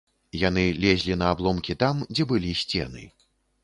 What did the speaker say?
Яны лезлі на абломкі там, дзе былі сцены.